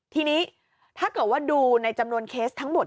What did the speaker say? ทีนี้ถ้าเกิดว่าดูในจำนวนเคสทั้งหมด